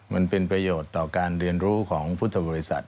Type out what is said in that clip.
มันเป็นประโยชน์ต่อการเรียนรู้ของพุทธบริษัท